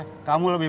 apa yang kamu lakukan